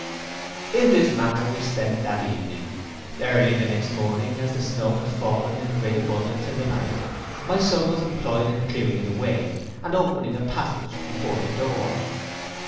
In this manner we spent that evening. Early the next morning, as the snow had fallen in great abundance in the night, my son was employed in clearing it away, and opening a passage before the door.